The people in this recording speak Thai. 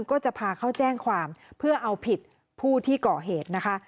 ก็จะพาเขาแจ้งความเพื่อเอาผิดผู้ที่ก่อเหตุนะคะ